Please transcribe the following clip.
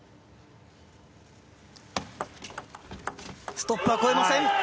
ストップは越えません。